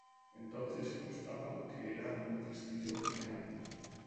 Entonces constaba que era un castillo real.